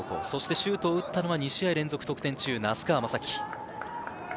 そして、シュートを打ったのは２試合連続得点中、名須川真光。